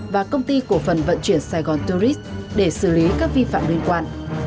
và công ty cổ phần vận chuyển sài gòn tourist để xử lý các vi phạm liên quan